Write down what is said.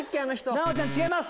奈央ちゃん違います。